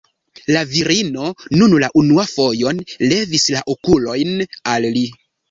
La virino nun la unuan fojon levis la okulojn al li.